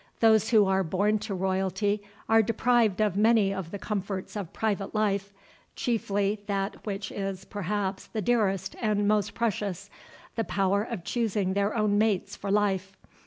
Those who are born to royalty are deprived of many of the comforts of private life—chiefly that which is, perhaps, the dearest and most precious, the power of choosing their own mates for life.